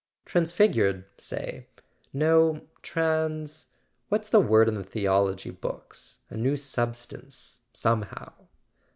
"Transfigured, say; no, trans what's the word in the theology books ? A new substance ... somehow.